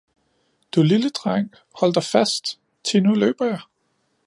Du lille dreng, hold dig fast, thi nu løber jeg!